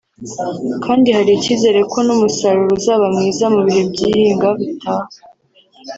kandi hari icyizere ko n’umusaruro uzaba mwiza mu bihe by’ihinga bitaha